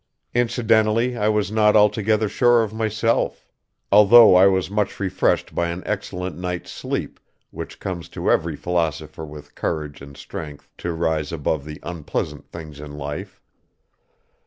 Incidentally I was not altogether sure of myself, although I was much refreshed by an excellent night's sleep which comes to every philosopher with courage and strength to rise above the unpleasant things of life.